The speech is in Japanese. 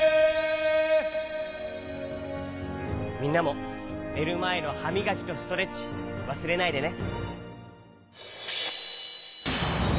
みんなもねるまえのはみがきとストレッチわすれないでね！